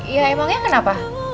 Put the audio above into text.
ya emangnya kenapa